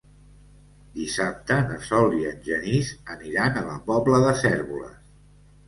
Dissabte na Sol i en Genís aniran a la Pobla de Cérvoles.